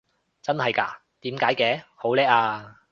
真係嘎？點解嘅？好叻啊！